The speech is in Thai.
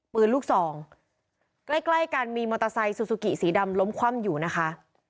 ปืนลูกซองใกล้ใกล้กันมีมอเตอร์ไซค์ซูซูกิสีดำล้มคว่ำอยู่นะคะ